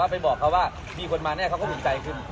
หลงหลงหลงหลงหลงหลงหลงหลงหลงหลงหลง